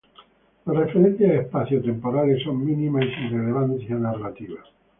Las referencias espacio-temporales son mínimas y sin relevancia narrativa.